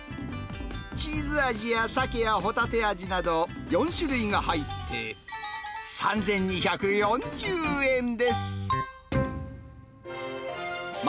チーズ味やサケやホタテ味など、４種類が入って３２４０円です。